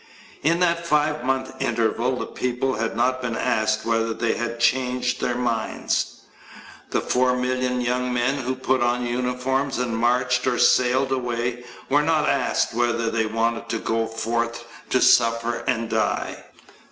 In that five month interval the people had not been asked whether they had changed their minds. The 4,000,000 young men who put on uniforms and marched or sailed away were not asked whether they wanted to go forth to suffer and die.